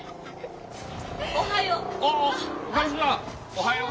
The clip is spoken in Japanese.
おはよう。